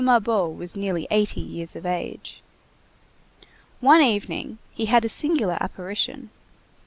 Mabeuf was nearly eighty years of age. One evening he had a singular apparition.